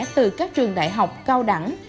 từ các trường đại học cao đẳng